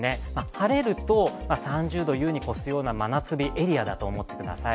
晴れると、３０度を優に超すような真夏日エリアだと思ってください。